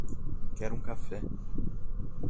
Quero um café